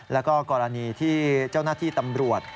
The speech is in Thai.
แล้วก็กรณีที่เจ้าหน้าที่ตำรวจ